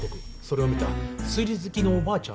それを見た推理好きのおばあちゃん